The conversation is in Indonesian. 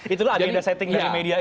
itulah agenda setting dari media ini